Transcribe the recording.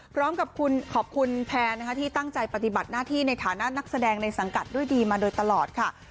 พร้อมกับขอบคุณแพนนะคะที่ตั้งใจปฏิบัติหน้าที่ในฐานะนักแสดงในสังกัดด้วยดีมาโดยตลอดค่ะ